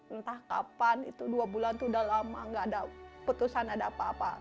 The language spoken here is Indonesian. entah kapan itu dua bulan itu udah lama gak ada putusan ada apa apa